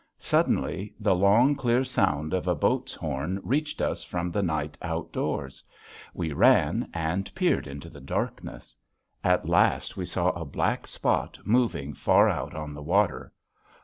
Suddenly the long, clear sound of a boat's horn reached us from the night outdoors. We ran and peered into the darkness. At last we saw a black spot moving far out on the water.